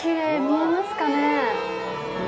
見えますかね？